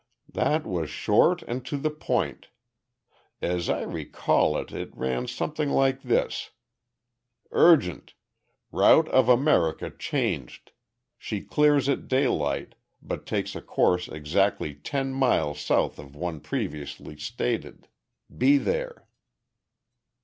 "That was short and to the point. As I recall it, it ran something like this: 'Urgent Route of America changed. She clears at daylight, but takes a course exactly ten miles south of one previously stated. Be there."